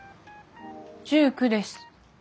１９です。